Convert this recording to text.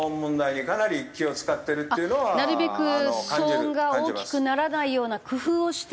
なるべく騒音が大きくならないような工夫をして。